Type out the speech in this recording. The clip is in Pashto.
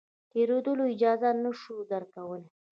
تېرېدلو اجازه نه شو درکولای.